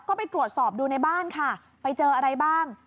ก็ไปตรวจสอบดูในบ้านค่ะไปเจออะไรบ้าง